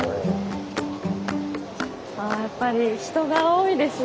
あやっぱり人が多いですね。